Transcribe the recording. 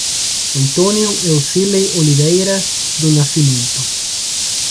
Antônio Eucirley Oliveira do Nascimento